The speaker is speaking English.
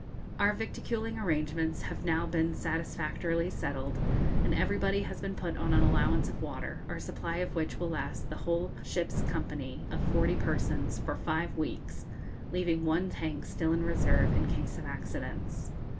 Our victualling arrangements have now been satisfactorily settled, and everybody has been put on an allowance of water, our supply of which will last the whole ship's company of forty persons for five weeks, leaving one tank still in reserve in case of accidents.